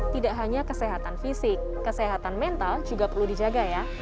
tidak hanya kesehatan fisik kesehatan mental juga perlu dijaga ya